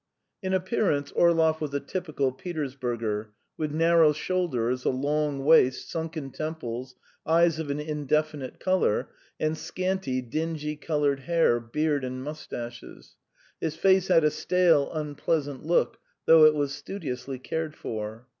In appearance Orlov was a typical Petersburger, with narrow shoulders, a long waist, sunken temples, eyes of an indefinite colour, and scanty, dingy coloured hair, beard and moustaches. His face had a stale, unpleasant look, though it was studiously cared for.